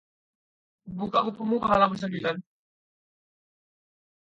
Buka bukumu ke halaman sembilan.